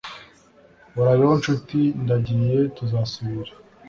urabeho nshuti ndagiye tuzasubira